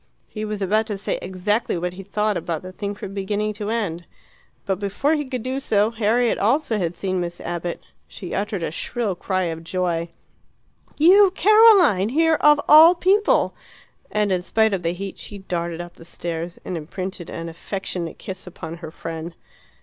He was about to say exactly what he thought about the thing from beginning to end. But before he could do so Harriet also had seen Miss Abbott. She uttered a shrill cry of joy. "You, Caroline, here of all people!" And in spite of the heat she darted up the stairs and imprinted an affectionate kiss upon her friend.